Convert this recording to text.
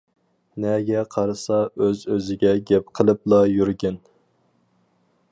نەگە قارىسا ئۆز ئۆزىگە گەپ قىلىپلا يۈرگەن.